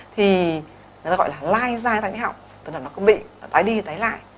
thì người ta gọi là lai dai tại mũi họng tức là nó cứ bị tái đi tái lại